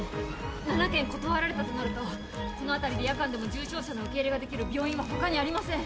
「７軒断られたとなるとこの辺りで夜間でも重傷者の受け入れができる病院は他にありません」